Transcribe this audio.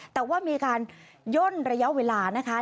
แต่ว่ามีการย่นระยะเวลานะคะ